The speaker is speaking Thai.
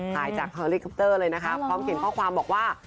ถ่ายจากเฮลิคอปเตอร์เลยนะคะพร้อมเขียนข้อความบอกว่า